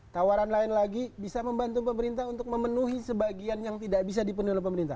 tawaran lain lagi bisa membantu pemerintah untuk memenuhi sebagian yang tidak bisa dipenuhi oleh pemerintah